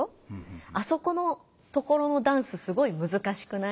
「あそこのところのダンスすごいむずかしくない？」。